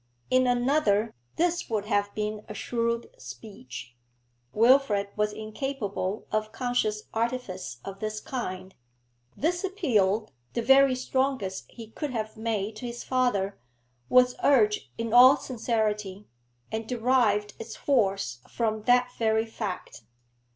In another this would have been a shrewd speech. Wilfrid was incapable of conscious artifice of this kind; this appeal, the very strongest he could have made to his father, was urged in all sincerity, and derived its force from that very fact.